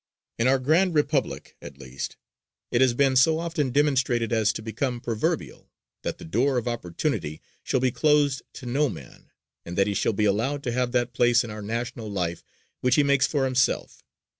In our grand Republic, at least, it has been so often demonstrated as to become proverbial, that the door of opportunity shall be closed to no man, and that he shall be allowed to have that place in our national life which he makes for himself.